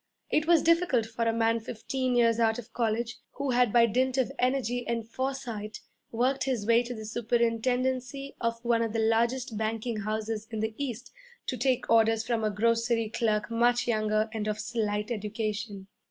It was difficult for a man fifteen years out of college, who had by dint of energy and foresight worked his way to the superintendency of one of the largest banking houses in the East, to take orders from a grocery clerk much younger and of slight education.